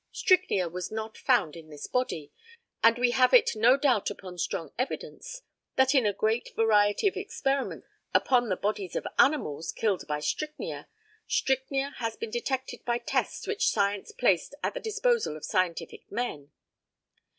Strychnia was not found in this body, and we have it no doubt upon strong evidence, that in a great variety of experiments upon the bodies of animals, killed by strychnia, strychnia has been detected by tests which science placed at the disposal of scientific men.